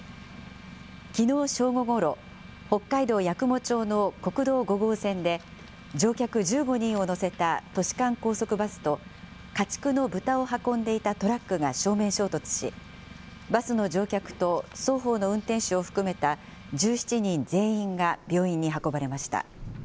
きのう正午ごろ、北海道八雲町の国道５号線で、乗客１５人を乗せた都市間高速バスと、家畜の豚を運んでいたトラックが正面衝突し、バスの乗客と双方の運転手を含めた１７人全員が病院に運ばれました。